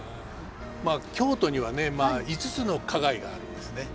まあ京都にはね５つの花街があるんですね。